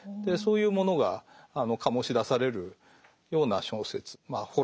そういうものが醸し出されるような小説まあ